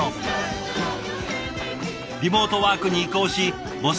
リモートワークに移行しボス